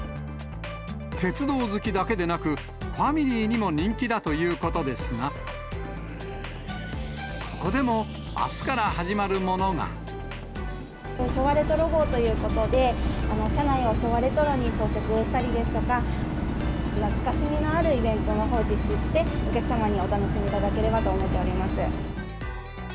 鉄道好きだけでなく、ファミリーにも人気だということですが、ここでも、あすから始ま昭和レトロ号ということで、車内を昭和レトロに装飾をしたりですとか、懐かしみのあるイベントのほうを実施して、お客様にお楽しみいただければと思っております。